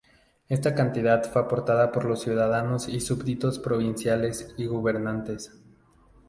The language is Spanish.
Esta cantidad fue aportada por la ciudad y los subsidios provinciales y gubernamentales.